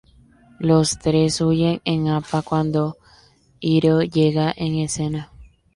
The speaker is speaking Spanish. Los tres huyen en Appa cuando Iroh llega en escena.